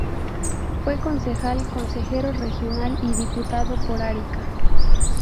Fue concejal, consejero regional y diputado por Arica.